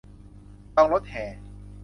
จองรถแห่